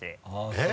えっ？